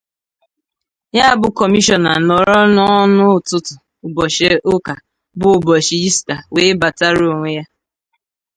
ya bụ Kọmishọna nọrọ n'ọnụ ụtụtụ ụbọchị ụka bụ ụbọchị Ista wee batara onwe ya